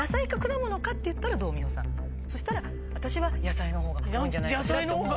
そしたら私は野菜のほうが多いんじゃないかしらって思う。